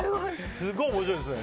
すごい面白いですね。